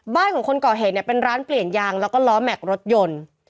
บ้านของคนก่อเหตุเนี่ยเป็นร้านเปลี่ยนยางแล้วก็ล้อแม็กซ์รถยนต์